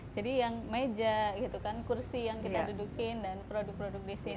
jadi yang meja gitu kan kursi yang kita dudukin dan produk produk di sini